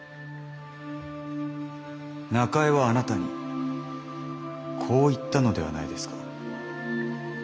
中江はあなたにこう言ったのではないですか？